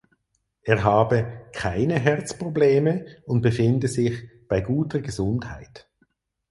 Er habe „keine Herzprobleme“ und befinde sich „bei guter Gesundheit“.